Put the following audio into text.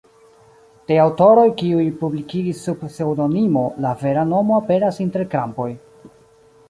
De aŭtoroj kiuj publikigis sub pseŭdonimo, la vera nomo aperas inter krampoj.